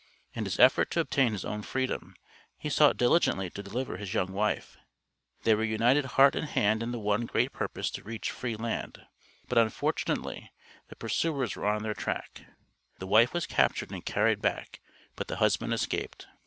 In his effort to obtain his own freedom he sought diligently to deliver his young wife. They were united heart and hand in the one great purpose to reach free land, but unfortunately the pursuers were on their track; the wife was captured and carried back, but the husband escaped.